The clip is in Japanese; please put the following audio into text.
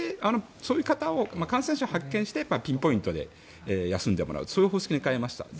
そういう、感染者を発見してピンポイントで休んでもらうそういう方式に変えました。